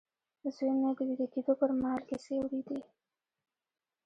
زوی مې د ويده کېدو پر مهال کيسې اورېدې.